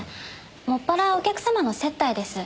専らお客様の接待です。